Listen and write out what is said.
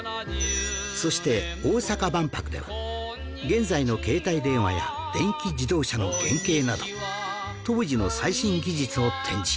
そして大阪万博では現在の携帯電話や電気自動車の原型など当時の最新技術を展示